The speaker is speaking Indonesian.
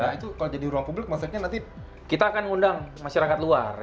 nah itu kalau jadi ruang publik maksudnya nanti kita akan mengundang masyarakat luar